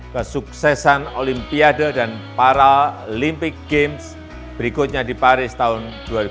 kesuksesan olimpiade dan paralympic games berikutnya di paris tahun dua ribu dua puluh empat